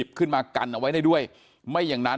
พันให้หมดตั้ง๓คนเลยพันให้หมดตั้ง๓คนเลย